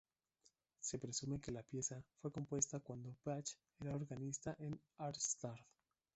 Se presume que la pieza fue compuesta cuando Bach era organista en Arnstadt.